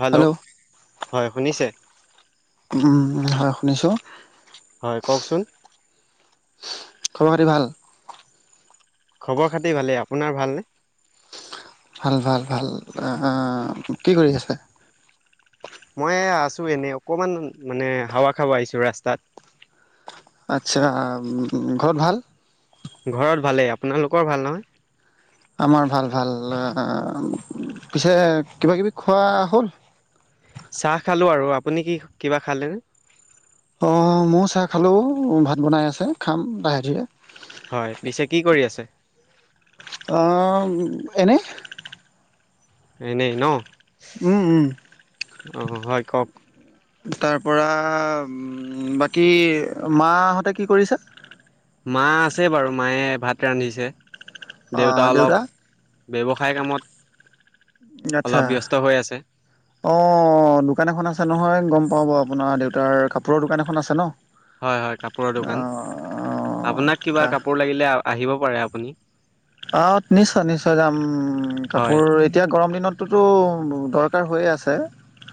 Hello হয় শুনিছে? উম, হয় শুনিছো। হয়, কওঁকচোন? খবৰ পাতি ভাল? খবৰ খাতি ভালেই। আপোনাৰ ভালনে? ভাল-ভাল-ভাল আহ, কি কৰি আছে? মই আছো এনেই অকমান মানে হাৱা খাব আহিছো ৰাস্তাত। আচ্ছা ঘৰত ভাল? ঘৰত ভালেই। আপোনালোকৰ ভাল নহয়? আমাৰ ভাল ভাল। পিছে কিবা কিবি খোৱা হ'ল? চাহ খালোঁ আৰু। আপুনি কি কিবা খালেনে? অ ময়ো চাহ খালো, ভাত বনাই আছে খাম লাহে ধিৰে। হয়, পিছে কি কৰি আছে? অহ এনেই। এনেই ন। উম উম। অ হয় কওক তাৰপৰা বাকী মাহঁতে কি কৰিছে? মা আছে বাৰু মায়ে ভাত ৰান্ধিছে দেউতা অলপ ব্যৱসায় কামত আচ্ছা। অলপ ব্যস্ত হৈ আছে অঁ দোকান এখন আছে নহয় গম পাওঁ বাৰু আপোনাৰ দেউতাৰ কাপোৰৰ দোকান এখন আছে ন। হয় হয় কাপোৰৰ দোকান অ', আপোনাক কিবা অ', কাপোৰ লাগিলে আহিব পাৰে আপুনি। আহ নিশ্চয় নিশ্চয় যাম হয় কাপোৰ এতিয়া গৰম দিনত টো দৰকাৰ হৈ আছে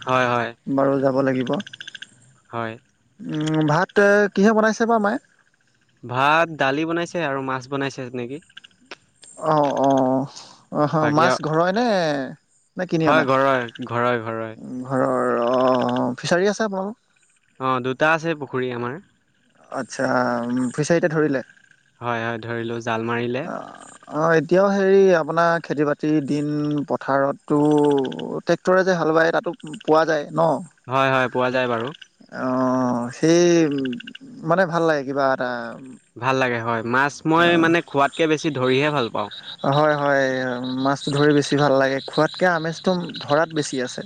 হয় হয় বাৰু যাব লাগিব। হয়। ভাত কিহে বনাইছে বাৰু মাই? ভাত দালি বনাইছে আৰু মাছ বনাইছে নেকি। অ অ অ বাকী আৰু মাছ ঘৰই নে নে কিনি অনা? ঘৰই ঘৰই। ঘৰৰ অ ফিচাৰী আছে আপোনালোকৰ? অ দুটা আছে পুখুৰী আমাৰ। আচ্ছা, ফিচাৰিটো ধৰিলে? হয় হয় ধৰিলো। জাল মাৰিল অ। অ এতিয়াও হেৰি আপোনাৰ খেতি বাতিৰ দিন পথাৰতো ট্ৰে টৰে যে হাল বায় তাতো পোৱা যায় ন। হয় হয় পোৱা যায় বাৰু। অ সেই মানে ভাল লাগে কিবা এটা। ভাল লাগে হয় মাছ মই মানে খোৱাতকে বেছি ধৰিহে ভাল পাওঁ। হয় হয় মাছতটো ধৰি বেছি ভাল লাগে। খোৱাতকে আমেজটো ধৰাত বেছি আছে।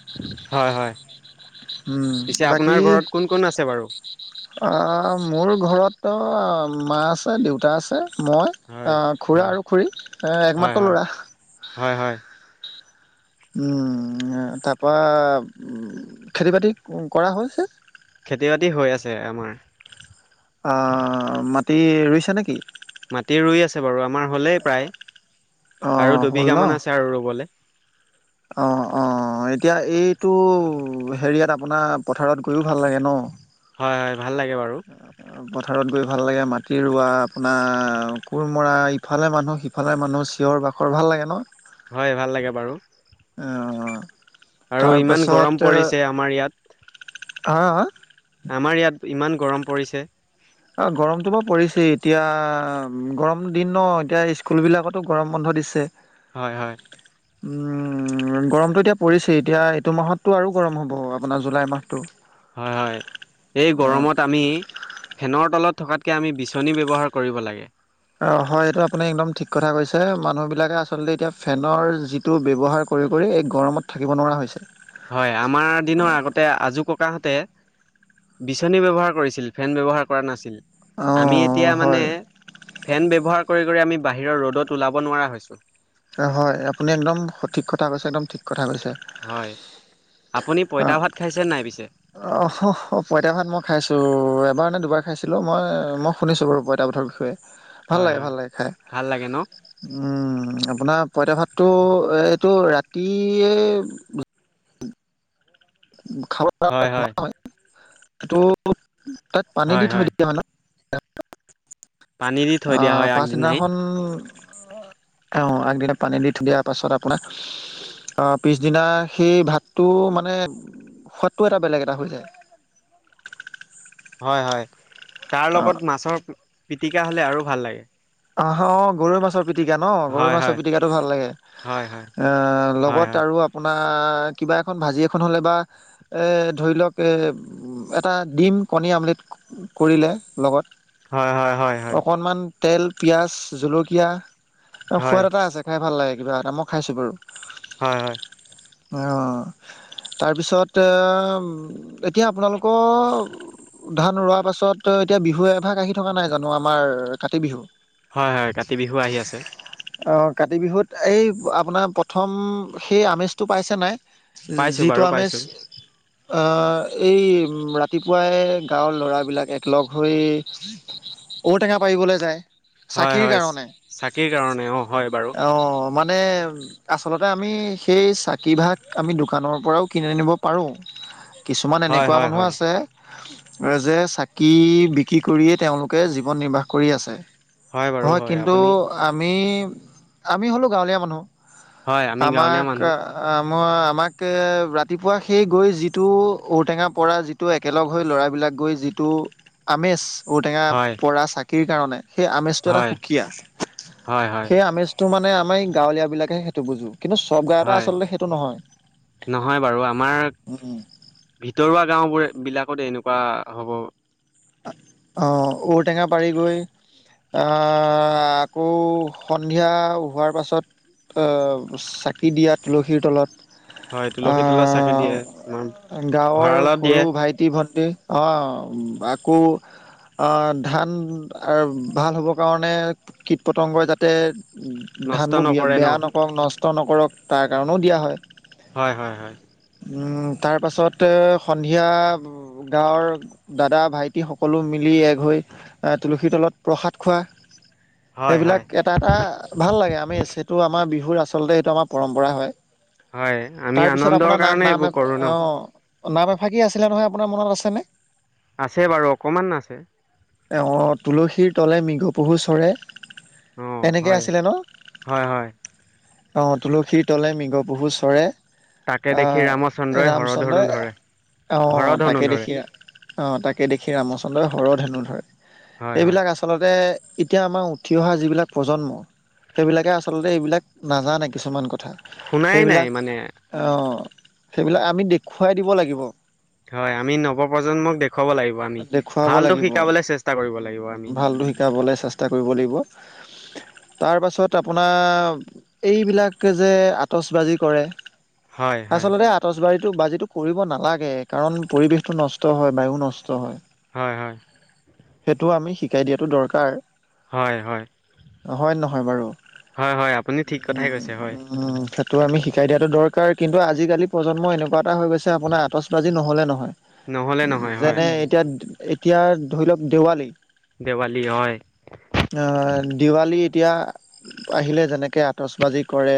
হয় হয় উম পিছে বাকী আপোনাৰ ঘৰত কোন কোন আছে বাৰু? মোৰ ঘৰতো মা আছে দেউতা আছে মই। অ হয় খুৰা হয় আৰু খুৰী হয় এ-একমাত্ৰ হয় লৰা। হয় হয়। উম তাৰপা খেতি বাতি কৰা হৈছে? খেতি বাতি হৈ আছে আমাৰ। অ মাটি ৰুইছে নেকি? মাটি ৰুই আছে বাৰু আমাৰ হ'লেই প্ৰায় অঁ আৰু দুবিঘামান আছে আৰু ৰুবলে। অ অ এতিয়া এইটো হেৰিয়াত আপোনাৰ পথাৰত গৈয়ো ভাল লাগে ন। হয় হয় ভাল লাগে বাৰু। পথাৰত গৈ ভাল লাগে মাটি ৰোৱা আপোনাৰ কোৰ মৰা ইফালে মানুহ সি- ইফালে মানুহ চিঞৰ বাখৰ ভাল লাগে ন হয় ভাল লাগে বাৰু অ। আৰু ইমান তাৰপাছত গৰম পৰিছে আমাৰ ইয়াত। হা হা আমাৰ ইয়াত ইমান গৰম পৰিছে অ গৰমটো বাৰু পৰিছেই এতিয়া গৰম দিন ন এতিয়া স্কুলবিলাকত টো গৰম বন্ধ দিছে হয় হয় উম গৰমটো এতিয়া পৰিছেই এতিয়া এইটো মাহততো আৰু গৰম হ'ব আপোনাৰ জুলাই মাহটো হয় হয় এই অ' গৰমত আমি ফেনৰ তলত থকাতকে আমি বিচনী ব্যৱহাৰ কৰিব লাগে অ হয় এইটো আপুনি একদম ঠিক কথা কৈছে মানুহ বিলাকে আচলতে এতিয়া ফেনৰ যি টো ব্যৱহাৰ কৰি কৰি এই গৰমত থাকিব নোৱাৰা হৈ হৈছে হয় আমাৰ দিনৰ আগতে আজো ককাহঁতে বিচনী ব্যৱহাৰ কৰিছিল ফেন ব্যৱহাৰ কৰা নাছিল আমি এতিয়া অঁ মানে হয় ফেন ব্যৱহাৰ কৰি কৰি আমি বাহিৰৰ ৰ'দত ওলাব নোৱাৰা হৈছো। হয় আপুনি একদম সঠিক কথা কৈছে একদম ঠিক কথা কৈছে হয় আপুনি অ পইতা ভাত খাইছে নাই পিছে? অ হহ পঁইতা ভাত মই খাইছোঁ এবাৰ নে দুবাৰ খাইছিলোঁ মই মই শুনিছোঁ বাৰু পঁইতা ভাতৰ বিষয়ে ভাল হয় লাগে হয় ভাল লাগে খাই। ভাল লাগে ন উম আপোনাৰ পঁইতা ভাতটো এই এইটো ৰাতিয়ে [unintelligible] হয় সেইটো তাত পানী দি থৈ দিয়া হয় ন? পানী দি থৈ আ দিয়া হয় আগদিনাই পাচদিনাখন, অ আগদিনা পানী দি থৈ দিয়াৰ পাছত আপোনাক আহ পিছদিনা সেই ভাতটো মানে, সোৱাদটো এটা বেলেগ এটা হৈ যায়। হয় হয় তাৰ লগত মাছৰ পিটিকা হ'লে আৰু ভাল লাগে। আহ গৰৈ মাছৰ পিটিকা ন গৰৈ হয় মাছৰ হয় পিটিকা টো ভাল লাগে হয় হয় অহ হয় লগত আৰু আপ পোনাৰ কিবা এখন ভাজি এখন হ'লে বা ধৰি লওক এটা দিম কণী আমলেট কৰিলে লগত হয় হয় হয় হয় হয় হয় অকণমান তেল পিয়াজ জলকীয়া হয় সোৱাদ এটা আছে। খাই ভাল লাগে কিবা এটা মই খাইছো বাৰু। হয় হয় আহ তাৰপিছতে এতিয়া আপোনালোকৰ, উ ধান ৰোৱাৰ পাছত এতিয়া বিহু এভাগ আহি থকা নাই জানো আমাৰ কাতি বিহু, হয় হয় কাতি বিহু আহি আছে, অ কাতি বিহুত এই আপোনাৰ প্ৰথম সেই আমেজটো পাইছে নাই? পাইছো যিটো বাৰু আমেজ, পাইছো আহ এই ৰাতিপুৱাই গাঁৱৰ ল'ৰাবিলাক একলগ হৈ, ঔটেঙা পাৰিবলে যায় হয় চাকিৰ হয় কাৰণে চাকিৰ কাৰণে অ হয় বাৰু অ মানে, আচলতে আমি সেই চাকিভাগ আমি দোকানৰ পৰাও কিনি আনিব পাৰো। কিছুমান হয় এনেকুৱা হয় মানুহো হয় আছে, এই যে চাকি বিক্ৰী কৰিয়েই তেওঁলোকে জীৱন নিৰ্বাহ কৰি আছে, হয় কিন্তু আমি আমি হ'লো গাঁৱলীয়া মানুহ, হয় আমি গাঁৱলীয়া আমাক মানুহ আমাৰ আমাক ৰাতিপুৱা সেই গৈ যিটো ঔটেঙা পৰা যি টো একেলগ হৈ ল'ৰাবিলাক গৈ যিটো আমেজ, ঔটেঙা হয় পৰা চাকিৰ কাৰণে সেই আমেজটো এটা হয় সুকীয়া আছে হয় হয় সেই আমেজ, টো মানে আমাৰ এই গাঁৱলীয়া বিলাকে সেইটো বুজো। কিন্তু চব গাওঁতে হয় আচলতে সেইটো নহয়, নহয় বাৰু আমাৰ উম ভিতৰুৱা গাওবোৰে বিলাকত এনেকুৱা হ'ব। অ ঔটেঙা পাৰি গৈ আ আকৌ সন্ধিয়া হোৱাৰ পাছত অ চাকি দিয়া তুলসীৰ তলত হয় তুলসী তলত চাকি দিয়ে আমাৰ আ গাঁৱৰ ভঁৰালত দিয়ে সৰু ভাইটি-ভণ্টি অ‌ আকৌ আ ধান ভাল হ'বৰ কাৰণে কীট পতংগই যাতে নষ্ট ধানবোৰ নকৰে ন বেয়া নকৰক নষ্ট নকৰক তাৰ কাৰণেও দিয়া হয়। হয় হয় হয়। তাৰপাছতে সন্ধিয়া গাঁৱৰ দাদা ভাইটি টি সকলো মিলি এগ হৈ এ তুলসী তলত প্ৰসাদ খোৱা, হয় হয় সেইবিলাক এটা এটা ভাল লাগে আমি সেইটো আমাৰ বিহুৰ আচলতে এইটো আমাৰ পৰম্পৰা হয়। হয় আমি তাৰপিছত আনন্দৰ আপোনাৰ না- কাৰণে নাম এইবোৰ এ কৰো ন অ নাম এফাকি আছিলে নহয়, আপোনাৰ মনত আছেনে? আছে বাৰু অকণমান আছে। তেওঁ তুলসীৰ তলে মৃগো পহু চৰে, অ এনেকে হয় আছিলে ন হয় হয় অ তুলসীৰ তলে মৃগ পহু চৰে। তাকে দেখি ৰামচন্দ্ৰই হৰধনু ৰামচন্দ্ৰই ধৰে অ' হৰধনু তাকে ধৰে দেখি অ' তাকে দেখি ৰামচন্দ্ৰই হৰধেনু ধৰে। হয় হয় এইবিলাক আচলতে আচলতে এতিয়া আমাৰ উঠি অহা যিবিলাক প্ৰজন্ম, সেইবিলাকে আচলতে এইবিলাক নাজানে কিছুমান কথা। শুনাই নাই মানে অ' সেইবিলাক আমি দেখুৱাই দিব লাগিব। হয় আমি নৱপ্ৰজন্মক দেখুৱাব লাগিব আমি দেখুৱাব ভালটো শিকাবলৈ চেষ্টা কৰিব লাগিব আমি। ঢোলটো শিকাবলৈে চেষ্টা তা কৰিব লাগিব। তাৰপাছত আপোনাৰ এইবিলাক যে আটচবাজি কৰে, হয় হয় আচলতে আতচবাজিটো বাজিটো কৰিব নালাগে কাৰণ পৰিবেশতটো নষ্ট হয় বায়ু নষ্ট হয়। হয় হয়। সেইটো আমি শিকাই দিয়াটো দৰকাৰ। হয় হয়। হয় নহয় বাৰু? হয় হয় আপুনি ঠিক কথাই কৈছে হয় তো আমি শিকাই দিয়াটো দৰকাৰ কিন্তু আজিকালি প্ৰজন্ম এনে কুৱা এটা হৈ গৈছে আপোনাৰ আতচ বাজি নহলে নহয়। নহ'লে নহয় হয় যেনে এতিয়া এতিয়া ধৰি লওক দেৱালী, দেৱালী হয়। দিৱালী এতিয়া আহিলে যেনেকৈ আটচবাজি কৰে।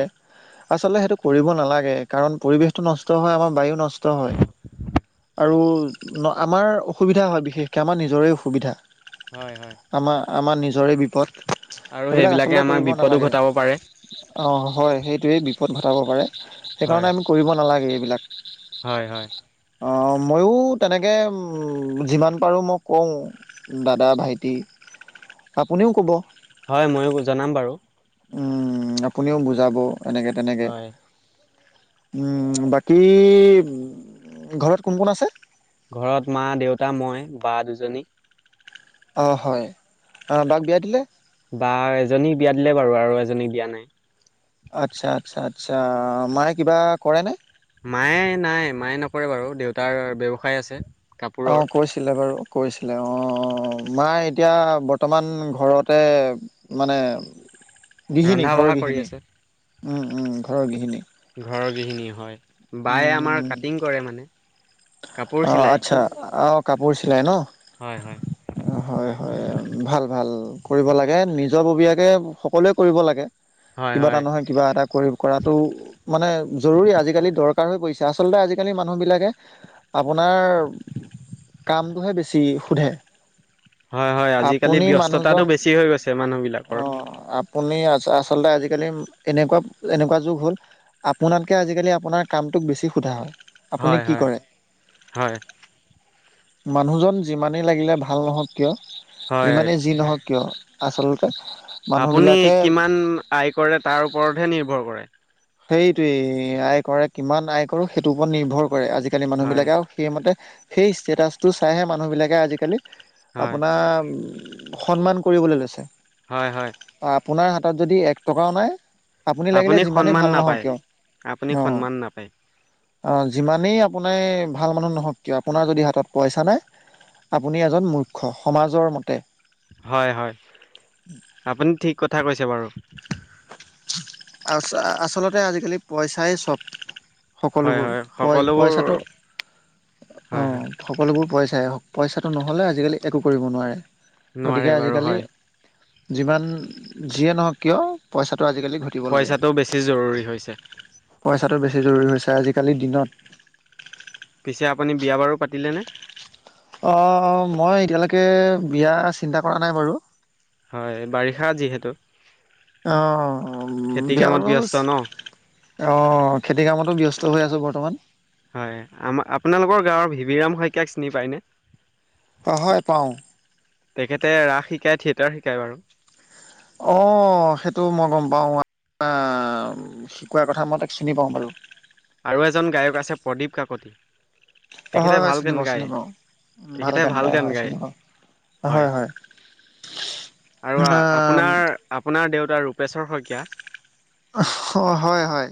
আচলতে সেইটো কৰিব নালাগে কাৰণ পৰিৱেশটো নষ্ট হয় আমাৰ বায়ু নষ্ট হয়। আৰু ন আমাৰ অসুবিধা হয় বিশেষকে আমাৰ নিজৰে অসুবিধা। হয়, হয়। আমাৰ আমাৰ নিজৰে বিপদ আৰু সেইবিলাক সেইবিলাকে আচলতে আমাক কৰিব বিপদো নালাগে। ঘটাব পাৰে অ' হয় সেইটোৱেই বিপদ ঘটাব পাৰে হয় সেইকাৰণে আমি কৰিব নালাগে এইবিলাক। হয়, হয়। অ' ময়ো তেনে কে যিমান পাৰোঁ মই কওঁ দাদা, ভাইটি আপুনিও ক'ব, হয়, ময়ো জনাম বাৰু। আপুনিও বুজাব এনেকে তেনেকে। হয় বাকী ঘৰত কোন কোন আছে? ঘৰত মা, দেউতা, মই, বা দুজনী। অ' হয় বাক বিয়া দিলে। বা এজনীক বিয়া দিলে বাৰু আৰু এজনীক দিয়া নাই। আচ্ছা, আচ্ছা, আচ্ছা মায়ে কিবা কৰেনে? মায়ে নাই, মায়ে নকৰে বাৰু দেউতাৰ ব্যৱসায় আছে। কাপোৰৰ অ' কৈছে। ছিলে বাৰু কৈছিলে অ' মায়ে এতিয়া বৰ্তমান ঘৰতে। মানে গৃহিণী, ৰন্ধা ঘৰৰ বঢ়া কৰি গৃহিণী, আছে ঘৰৰ গৃহিণী। ঘৰৰ গৃহিণী হয়, বায়ে আমাৰ উম কাটিং কৰে মানে। কাপোৰ অ', চিলাই। আচ্ছা আ'হ কাপোৰ চিলাই ন'। হয়, হয়। হয়, হয় ভাল, ভাল কৰিব লাগে। নিজৰ ববীয়াকে সকলোৱে কৰিব লাগে। হয় কিবা এটা হয় নহয় কিবা এটা কৰি কৰাটো মানে জৰুৰী আজিকালি দৰকাৰ হৈ পৰিছে, আচলতে আজিকালি মানুহবিলাকে আপোনাৰ কামটোহে বেছি সোধে। হয়, হয় আজিকালি আপুনি ব্যস্ততাটো মানুহজন বেছি হৈ গৈছে মানুহ বিলাকৰ। অ', আপুনি আচলতে আজিকালি এনেকুৱা, এনেকুৱা যুগ হ'ল। আপোনাতকে আজিকালি, আপোনাৰ কামটোক বেছি সোধা হয়। আপুনি হয় কি হয় কৰে হয় মানুহজন যিমানেই লাগিলে ভাল নহওঁক। হয় যিমানেই যি নহওঁক কিয় আচলতে। আপুনি মানুহবিলাকে কিমান আয় কৰে তাৰ ওপৰতহে নিৰ্ভৰ কৰে। সেইটয়েই আয় কৰে, কিমান আয় কৰো, সেইটোৰ ওপৰত নিৰ্ভৰ কৰে আজিকালি হয় মানুহবিলাকে আও। সেইমতে, সেই ষ্টেটাছটো চাইহে মানুহবিলাকে আজিকালি হয় আপোনাৰ সন্মান কৰিবলৈ লৈছে। হয়, হয়। আপোনাৰ হাতত যদি এক টকাও নাই, আপুনি লাগিলে যিমানেই ভাল নহওক নাপায়, কিয়, আপুনি অ'। সন্মান নাপায়। অ' যিমানেই আপোনাৰ ভাল মানুহ নহওঁক কিয় আপোনাৰ যদি হাতত পইচা নাই। আপুনি এজন মূৰ্খ্য সমাজৰ মতে। হয়, হয় আপুনি ঠিক কথা কৈছে বাৰু। আচলতে আজিকালি পইচাই চব। হয় সকলোবোৰ হয় পই- সকলোবোৰ পইচাটো হয় হয় অ'। সকলোবোৰ পইচাই পইচাটো নহ'লে আজিকালি একো কৰিব নোৱাৰে, গতিকে নোৱাৰে বাৰু আজিকালি হয় যিমান যিয়ে নহওঁক কিয় পইচাটো আজিকালি ঘট- পইচাটো বেছি জৰুৰী হৈছে। পইচাটো বেছি জৰুৰী হৈছে, আজিকালিৰ দিনত। পিছে আপুনি বিয়া -বাৰু পাতিলেনে? অ', মই এতিয়ালৈকে বিয়া চিন্তা কৰা নাই বাৰু। হয়, বাৰিষা যিহেতু। অ', খেতি বিয়া কামত ব্যস্ত বাৰুজ ন অ', খেতি কামতো ব্যস্ত হৈ আছোঁ বৰ্তমান। হয়, আমাৰ আপোনালোকৰ গাঁৱৰ ভিবিৰাম শইকীয়াক চিনি পায়নে? অ' হয় পাওঁ। তেখেতে ৰাস শিকাই, থিয়েটাৰ শিকায় বাৰু। অ', সেইটো মই গম পাওঁ, শিকোৱাৰ কথা মই তাক চিনি পাওঁ বাৰু। আৰু এজন গায়ক আছে প্ৰদীপ কাকতি। অ তেখেতে হয় হয় ভাল চিনি গান পাওঁ, চিনি গায় পাওঁ ভাল গান গায় হয় চিনি পাওঁ। হয় হয় অ আৰু আপোনাৰ আপোনাৰ দেউতা ৰূপেশ্বৰ শইকীয়া। অ', হয়, হয়।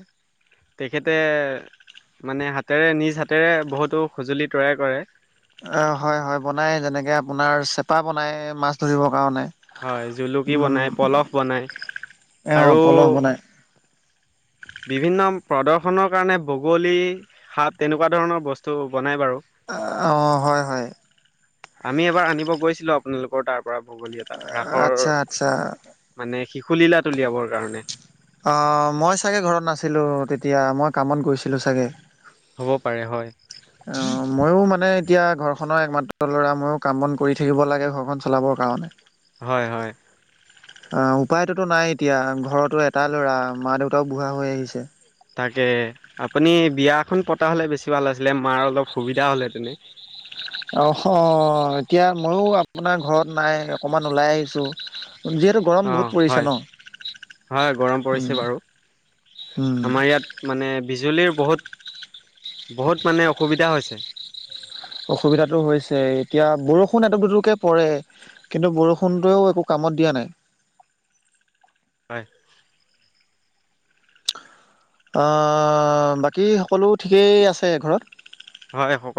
তেখেতে মানে হাতেৰে নিজ হাতেৰে বহুতো সঁজুলি তৈয়াৰ কৰে। অ হয় হয় বনাই যেনেকে আপোনাৰ চেপা বনাই, মাছ ধৰিবৰ কাৰণে হয় জুলুকি বনাই পলস বনাই ওহ আৰু পলখ বনায়। বিভিন্ন প্ৰদৰ্শনৰ কাৰণে বগলী, শাপ তেনেকুৱা ধৰণৰ বস্তু বনায় বাৰু। অ হয় হয়। আমি এবাৰ আনিব গৈছিলোঁ আপোনালোকৰ তাৰ পৰা বগলী এটা ৰাসৰ আচ্ছা, আচ্ছা। মানে শিশুলীলাত উলিয়াবৰ কাৰণে। অ মই চাগৈ ঘৰত নাছিলোঁ তেতিয়া মই কামত গৈছিলোঁ চাগে। হ'ব পাৰে হয়। অ ময়ো মানে এতিয়া ঘৰখনৰ একমাত্ৰ ল'ৰা ময়ো কাম বন কৰি থাকিব লাগে ঘৰখন চলাবৰ কাৰণে হয় হয়। অ উপায়টোতো নাই এতিয়া ঘৰতো এটা ল'ৰা মা দেউতাও বুঢ়া হৈ আহিছে। তাকে আপুনি বিয়া এখন পতা হ'লে বেছি ভাল আছিলে মাৰ অলপ সুবিধা হ'ল হেতেনে। অ এতিয়া ময়ো আপোনাৰ ঘৰত নাই অকমান ওলাই আহিছোঁ। যিহেতু গৰম অঁ বহুত পৰিছে হয় হয় গৰম ন। পৰিছে বাৰু উম আমাৰ ইয়াত মানে বিজুলীৰ বহুত বহুত মানে অসুবিধা হৈছে। অসুবিধাতো হৈছে এতিয়া বৰষুণ এটোপ দুটোপকে পৰে। কিন্তু বৰষুণটোৱেও একো কামত দিয়া নাই। হয় বাকী সকলো ঠিকেই আছে ঘৰত হয় সকলো